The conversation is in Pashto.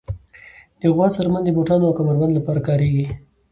د غوا څرمن د بوټانو او کمر بند لپاره کارېږي.